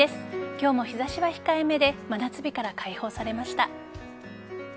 今日も日差しは控えめで真夏日から解放されました。